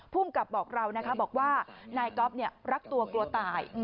ภูมิกับบอกเรานะคะบอกว่านายก๊อฟรักตัวกลัวตาย